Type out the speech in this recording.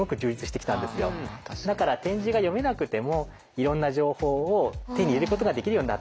だから点字が読めなくてもいろんな情報を手に入れることができるようになった。